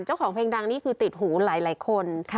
เจ้าของเพลงดังนี่คือติดหูหลายคน